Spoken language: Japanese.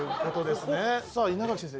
さあ稲垣先生